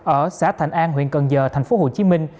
ở xã thành an huyện cần giờ thành phố hồ chí minh